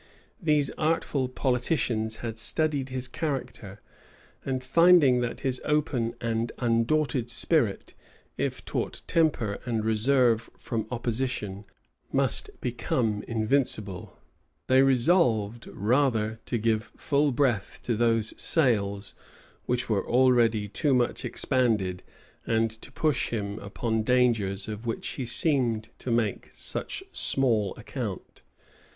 These artful politicians had studied his character; and finding that his open and undaunted spirit, if taught temper and reserve from opposition, must become invincible, they resolved rather to give full breath to those sails which were already too much expanded and to push him upon dangers of which he seemed to make such small account.